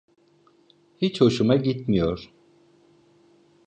Hiç hoşuma gitmiyor.